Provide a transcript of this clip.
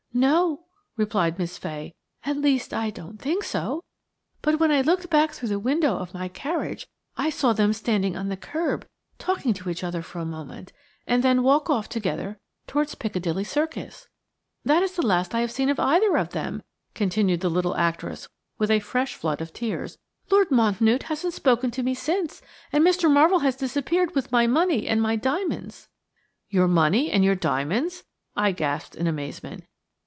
"No," replied Miss Fay; "at least, I didn't think so, but when I looked back through the window of my carriage I saw them standing on the kerb talking to each other for a moment, and then walk off together towards Piccadilly Circus. That is the last I have seen of either of them," continued the little actress with a fresh flood of tears. "Lord Mountnewte hasn't spoken to me since, and Mr. Marvell has disappeared with my money and my diamonds." "Your money and your diamonds?" I gasped in amazement.